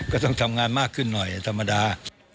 ก็ต้องทำงานมากขึ้นหน่อยธรรมดา